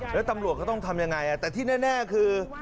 แล้วตำรวจก็ต้องทำยังไงแต่ที่แน่คือ